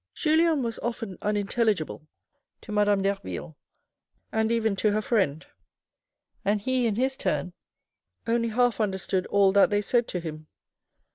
Juiien was often unintelligible to Madame Derville, and even to her friend, and he in his turn only half understood all that they said to him.